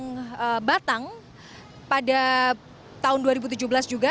kawasan batang pada tahun dua ribu tujuh belas juga